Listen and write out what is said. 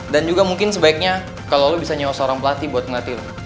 dan juga mungkin sebaiknya kalau lo bisa nyewa seorang pelatih buat ngelatih lo